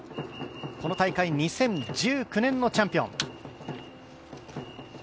この大会、２０１９年のチャンピオン。